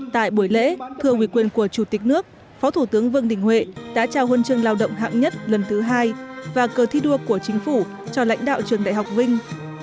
tại buổi lễ thưa quý quyền của chủ tịch nước phó thủ tướng vương đình huệ đã trao huân trường lao động hạng nhất lần thứ hai và cờ thi đua của chính phủ cho lãnh đạo trường đại học vinh